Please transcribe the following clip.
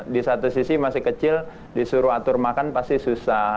di satu sisi masih kecil disuruh atur makan pasti susah